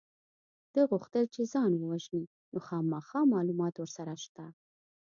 ده غوښتل چې ځان ووژني نو خامخا معلومات ورسره شته